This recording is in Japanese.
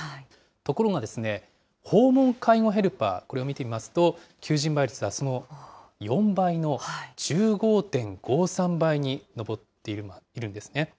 ところがですね、訪問介護ヘルパー、これを見てみますと、求人倍率はその４倍の１５．５３倍に上っているんですね。